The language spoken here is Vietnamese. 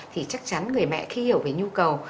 thì chắc chắn người mẹ khi hiểu về nhu cầu